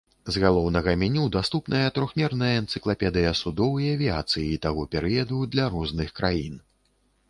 З галоўнага меню даступная трохмерная энцыклапедыя судоў і авіяцыі таго перыяду для розных краін.